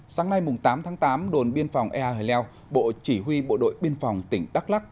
sáng nay tám tháng tám đồn biên phòng ea hải leo bộ chỉ huy bộ đội biên phòng tỉnh đắk lắc